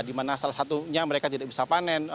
di mana salah satunya mereka tidak bisa panen